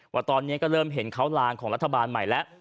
ว่าตอนนี้ก็เริ่มเห็นเขาลางของรัฐบาลใหม่แล้ว